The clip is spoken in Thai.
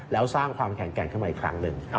แล้วสร้างความแข็งแกร่งขึ้นมาอีกครั้งหนึ่ง